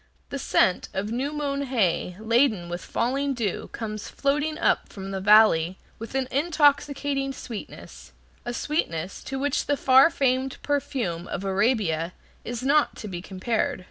The scent of new mown hay laden with falling dew comes floating up from the valley with an intoxicating sweetness, a sweetness to which the far famed perfume of Arabia is not to be compared.